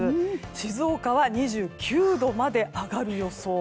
静岡は２９度まで上がる予想。